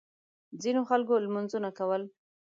ځینو خلکو لمونځونه کول.